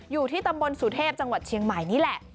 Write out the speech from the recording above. อยู่ที่ตำบลสุเทพจังหวัดเชียงใหม่นี่แหละ